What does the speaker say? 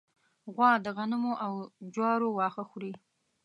غوا د غنمو او جوارو واښه خوري.